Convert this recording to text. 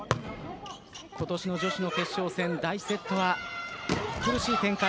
今年の女子の決勝戦第１セットは苦しい展開。